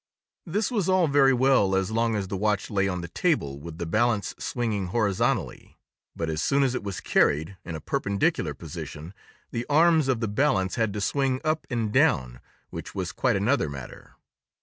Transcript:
This was all very well as long as the watch lay on the table with the balance swinging horizontally. But as soon as it was carried, in a perpendicular position, the arms of the balance had to swing up and down, which was quite another matter.